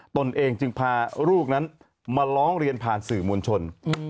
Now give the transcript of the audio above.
ตนเองจึงพาลูกนั้นมาร้องเรียนผ่านสื่อมวลชน